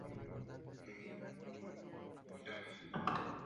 Tres años más tarde deja Viena para ir París.